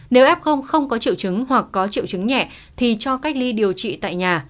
nếu f không có triệu chứng hoặc có triệu chứng nhẹ thì cho cách ly điều trị tại nhà